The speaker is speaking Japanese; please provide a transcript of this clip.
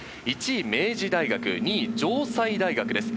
１位明治大学、２位城西大学です。